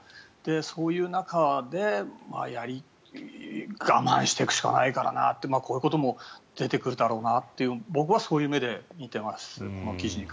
そういう中で我慢していくしかないからなってこういうことも出てくるだろうなという僕はそういう目で見ています。